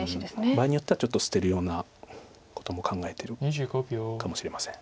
場合によってはちょっと捨てるようなことも考えてるかもしれません。